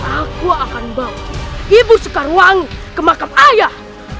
aku akan bawa ibu sekarwangi ke makam ayah